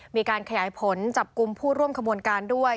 มีการขยายผลจับกลุ่มผู้ร่วมขบวนการด้วย